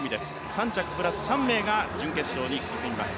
３着プラス３名が準決勝に進みます。